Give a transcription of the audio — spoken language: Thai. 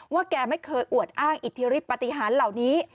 แกไม่เคยอวดอ้างอิทธิฤทธปฏิหารเหล่านี้